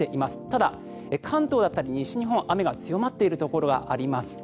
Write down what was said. ただ、関東だったり西日本は雨が強まっているところはあります。